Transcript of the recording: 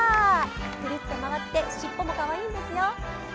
くるっと回って、しっぽもかわいいんですよ。